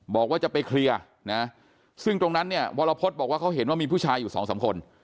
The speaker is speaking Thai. บอกว่าจะไปเคลียร์นะซึ่งตรงนั้นเนี่ยวรพฤษบอกว่าเขาเห็นว่ามีผู้ชายอยู่สองสามคน